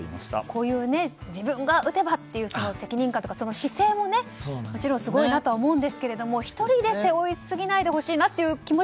こういう、自分が打てばという責任感とか姿勢もすごいなとは思いますが１人で背負いすぎないでほしいな